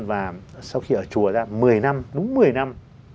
và sau khi ở chùa ra một mươi năm